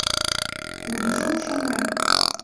Кудыжо ушанрак?